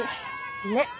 ねっ！